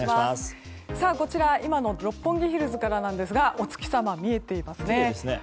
こちら、今の六本木ヒルズからなんですがお月様、見えていますね。